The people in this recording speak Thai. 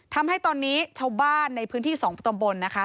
ทำให้ตอนนี้ชาวบ้านในพื้นที่๒ตำบลนะคะ